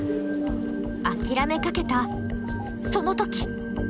あきらめかけたその時。